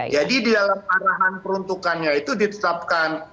jadi di dalam arahan peruntukannya itu ditetapkan